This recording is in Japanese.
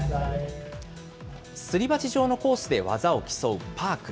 すり鉢状のコースで技を競うパーク。